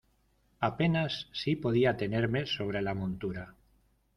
apenas si podía tenerme sobre la montura.